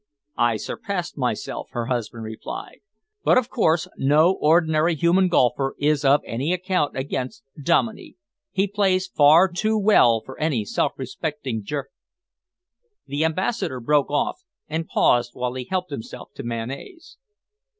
"I surpassed myself," her husband replied, "but of course no ordinary human golfer is of any account against Dominey. He plays far too well for any self respecting Ger " The Ambassador broke off and paused while he helped himself to mayonnaise.